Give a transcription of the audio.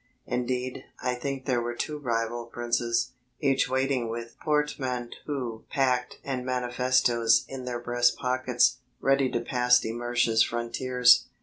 Indeed, I think there were two rival princes, each waiting with portmanteaux packed and manifestos in their breast pockets, ready to pass de Mersch's frontiers.